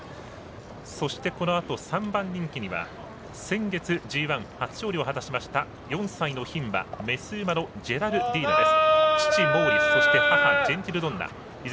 そして、このあと３番人気には先月ＧＩ初勝利しました４歳の牝馬、雌馬のジェラルディーナです。